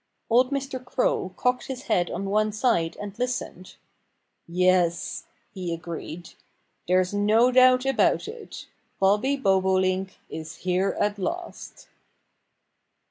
Old Mr. Crow cocked his head on one side and listened. "Yes!" he agreed. "There's no doubt about it. Bobby Bobolink is here at last!"